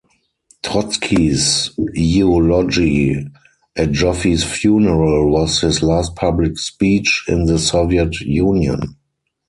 Trotsky's eulogy at Joffe's funeral was his last public speech in the Soviet Union.